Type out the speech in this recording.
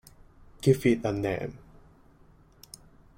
Give it a name.